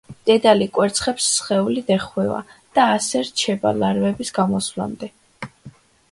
დედალი კვერცხებს სხეულით ეხვევა და ასე რჩება ლარვების გამოსვლამდე.